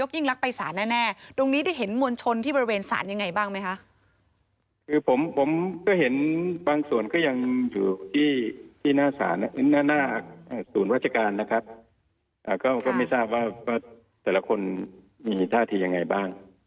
ก็ไม่ทราบแต่ละคนมีท่าทียังไงบ้าง